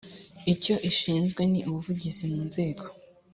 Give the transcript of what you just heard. icyo ishinzwe ni ubuvugizi mu nzego